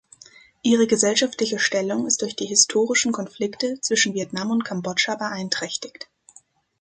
Ihre gesellschaftliche Stellung ist durch die historischen Konflikte zwischen Vietnam und Kambodscha beeinträchtigt.